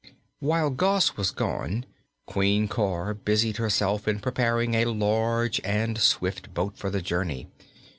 While Gos was gone, Queen Cor busied herself in preparing a large and swift boat for the journey.